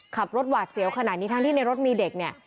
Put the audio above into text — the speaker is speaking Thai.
ขับรถหวาดเสียวขนาดนี้ทั้งที่ในรถมีเด็กเนี่ย